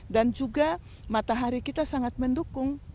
dan juga matahari kita sangat mendukung